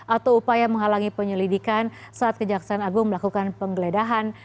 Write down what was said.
atau upaya menghalangi penyelidikan saat kejaksaan agung melakukan penggeledahan